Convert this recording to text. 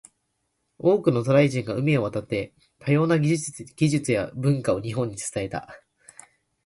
多くの渡来人が海を渡って、多様な技術や文化を日本に伝えた。